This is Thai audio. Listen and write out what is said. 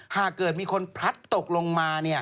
หากเกิดมีคนพลัดตกลงมา